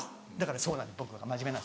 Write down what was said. そうなんです僕真面目。